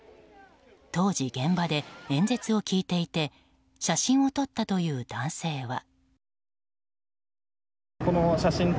当時、現場で演説を聞いていて写真を撮ったという男性は。